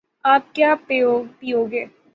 آپ کیا پیو گے